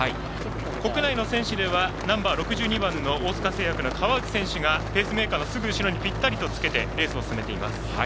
国内の選手ではナンバー６２番の大塚製薬の川内選手がペースメーカーのすぐ後ろにぴったりとつけてレースを進めています。